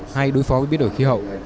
hay đối phó với biến đổi khí hậu